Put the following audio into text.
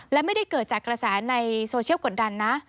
และไม่ได้เกิดจากกระแสในโซเชียลกดดันนะ